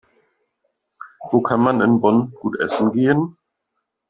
Wo kann man in Bonn gut essen gehen?